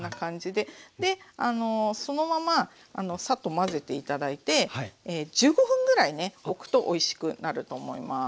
でそのままサッと混ぜて頂いて１５分ぐらいねおくとおいしくなると思います。